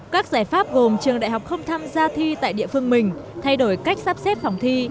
các giải pháp gồm trường đại học không tham gia thi tại địa phương mình thay đổi cách sắp xếp phòng thi